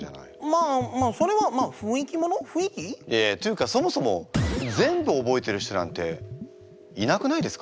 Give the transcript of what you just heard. まあまあそれはまあいやいやっていうかそもそも全部覚えてる人なんていなくないですか？